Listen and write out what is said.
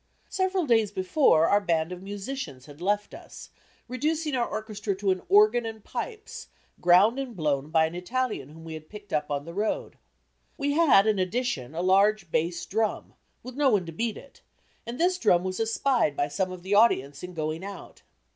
Several days before, our band of musicians had left us, reducing our orchestra to an organ and pipes, ground and blown by an Italian whom we had picked up on the road. We had, in addition, a large bass drum, with no one to beat it, and this drum was espied by some of the audience in going out.